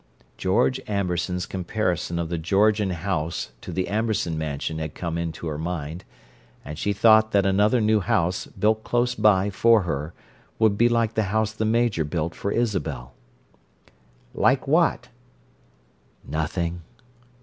George Amberson's comparison of the Georgian house to the Amberson Mansion had come into her mind, and she thought that another new house, built close by for her, would be like the house the Major built for Isabel. "Like what?" "Nothing."